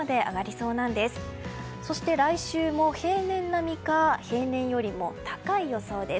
そして来週も平年並みか平年よりも高い予想です。